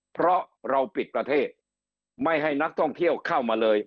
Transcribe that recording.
เพราะเราปิดประเทศไม่ให้นักท่องเที่ยวเข้ามาเลย